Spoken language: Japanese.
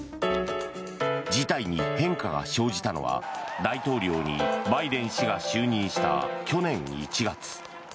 事態に変化が生じたのは大統領にバイデン氏が就任した去年１月。